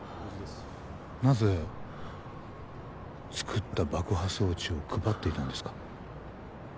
なぜ作った爆破装置を配っていたんですか？